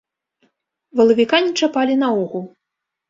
Валавіка не чапалі наогул.